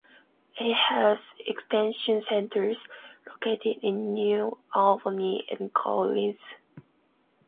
It has extension centers located in New Albany and Corinth.